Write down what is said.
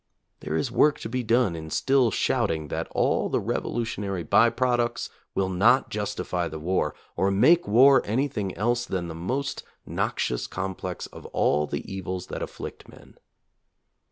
There is work to be done in still shouting that all the revolutionary by products will not justify the war, or make war anything else than the most noxious complex of all the evils that afflict men.